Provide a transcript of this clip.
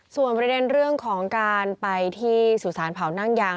ส่วนประเด็นเรื่องของการไปที่สุสานเผานั่งยาง